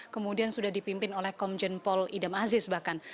kemudian sudah dipimpin oleh komjen paul idam aziz bahkan